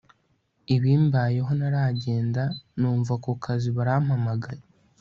ibimbayeho ntaragenda numva kukazi barampamagaye